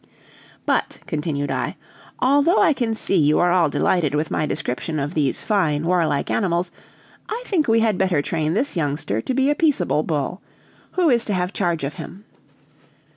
"But," continued I, "although I can see you are all delighted with my description of these fine, warlike animals, I think we had better train this youngster to be a peaceable bull. Who is to have charge of him?"